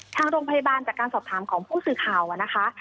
ทางโรงพยาบาลจากการสอบถามของผู้สื่อข่าวนะคะ